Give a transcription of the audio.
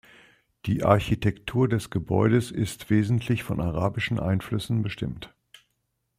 Die Architektur des Gebäudes ist wesentlich von arabischen Einflüssen bestimmt.